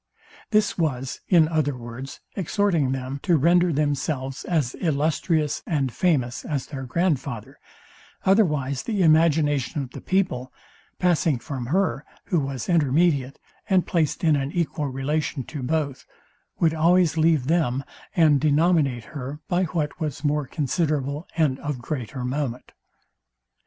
This was, in other words, exhorting them to render themselves as illustrious and famous as their grandfather, otherwise the imagination of the people, passing from her who was intermediate, and placed in an equal relation to both, would always leave them, and denominate her by what was more considerable and of greater moment.